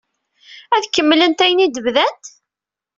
Ad kemmlent ayen i d-bdant?